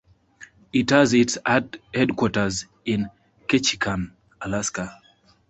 It has its headquarters in Ketchikan, Alaska.